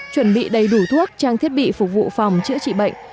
chuẩn bị đầy đủ thuốc trang thiết bị phục vụ phòng chữa trị bệnh